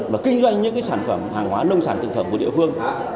và kinh doanh những sản phẩm hàng hóa nông sản thực phẩm của địa phương